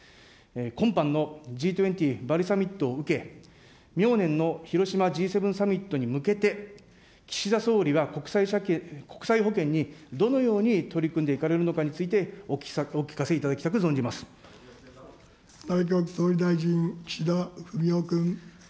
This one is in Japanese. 今般のＧ７・バリサミットを受け、明年の広島Ｇ７サミットに向けて、岸田総理は国際保健にどのように取り組んでいかれるのかについて内閣総理大臣、岸田文雄君。